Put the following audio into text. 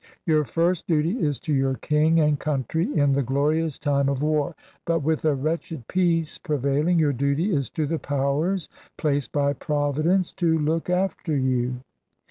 Your first duty is to your King and country, in the glorious time of war. But with a wretched peace prevailing, your duty is to the powers placed by Providence to look after you."